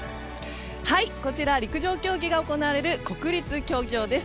こちら、陸上競技が行われる国立競技場です。